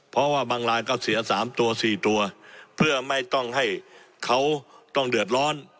เพราะว่าบางรายก็เสีย๓ตัว๔ตัวเพื่อไม่ต้องให้เขาต้องเดือดร้อน